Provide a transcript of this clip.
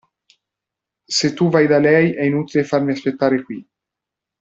Se tu vai da lei è inutile farmi aspettare qui.